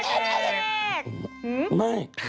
แป๊บน้อย